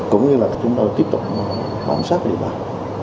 cũng như là chúng tôi tiếp tục bám sát địa bàn